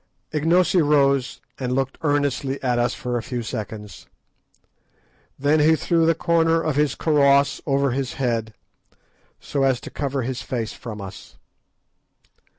Ignosi rose and looked earnestly at us for a few seconds. Then he threw the corner of his karross over his head, so as to cover his face from us.